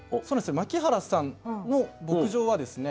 牧原さんの牧場はですね